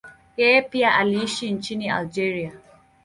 Yeye pia aliishi nchini Algeria.